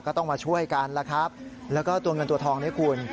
ก็ต้องมาช่วยกันแล้วครับแล้วก็ตัวเงินตัวทองเนี่ยคุณ